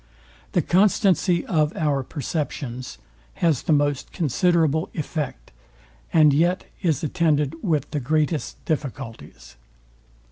The constancy of our perceptions has the most considerable effect, and yet is attended with the greatest difficulties.